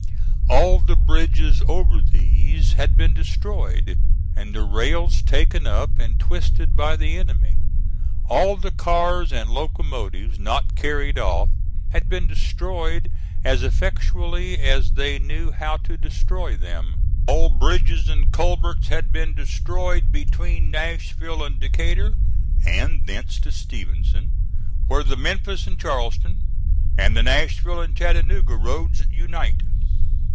All the bridges over these had been destroyed, and the rails taken up and twisted by the enemy. All the cars and locomotives not carried off had been destroyed as effectually as they knew how to destroy them. All bridges and culverts had been destroyed between Nashville and Decatur, and thence to Stevenson, where the Memphis and Charleston and the Nashville and Chattanooga roads unite.